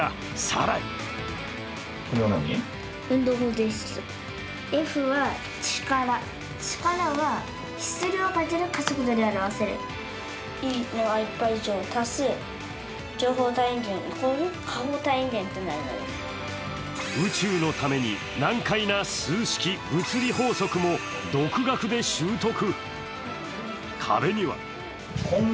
更に宇宙のために難解な数式、物理法則も独学で習得。